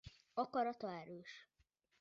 Akarata erős.